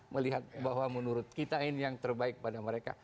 melihat bahwa menurut kita ini yang terbaik pada mereka